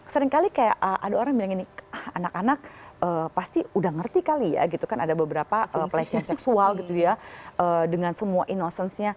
seringkali ada orang bilang anak anak pasti sudah mengerti ya ada beberapa pelecehan seksual dengan semua kebohongan